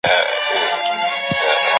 ته باید د څېړني په اصول پوه سې.